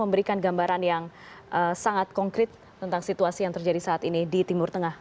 memberikan gambaran yang sangat konkret tentang situasi yang terjadi saat ini di timur tengah